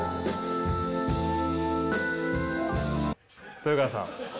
豊川さん。